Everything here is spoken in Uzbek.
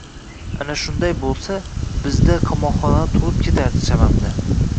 Agar shunday bo‘lsa, bizda qamoqxonalar to‘lib ketardi chamamda